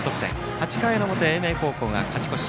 ８回の表、英明高校が勝ち越し。